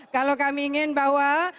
kalau kami ingin bahwa